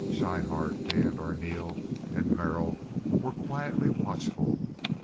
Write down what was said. Schryhart, Hand, Arneel, and Merrill were quietly watchful.